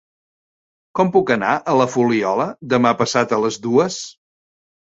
Com puc anar a la Fuliola demà passat a les dues?